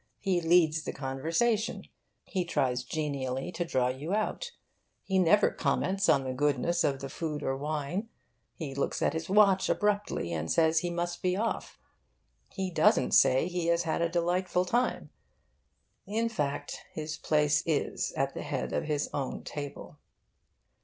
He leads the conversation. He tries genially to draw you out. He never comments on the goodness of the food or wine. He looks at his watch abruptly and says he must be off. He doesn't say he has had a delightful time. In fact, his place is at the head of his own table.